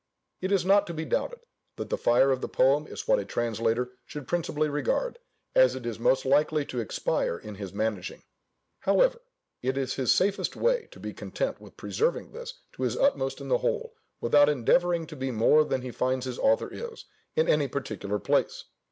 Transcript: It is not to be doubted, that the fire of the poem is what a translator should principally regard, as it is most likely to expire in his managing: however, it is his safest way to be content with preserving this to his utmost in the whole, without endeavouring to be more than he finds his author is, in any particular place.